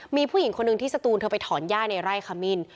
มีผู้หญิงคนหนึ่งที่สตูนเธอไปถอนย่าในไร่ขมิ้น